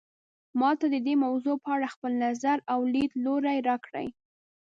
ما ته د دې موضوع په اړه خپل نظر او لیدلوری راکړئ